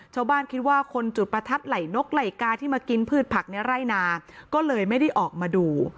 ชาวบ้านคิดว่าคนจุดประทัดไหล่นกไหล่กาที่มากินพืชผักในไร่นาก็เลยไม่ได้ออกมาดู